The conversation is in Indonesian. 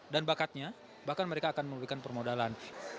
dan bakatnya bahkan mereka akan memberikan permodalan